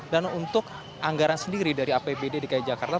untuk anggaran sendiri dari apbd dki jakarta